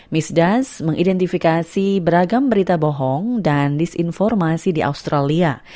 misdas mengidentifikasi beragam berita bohong dan disinformasi di australia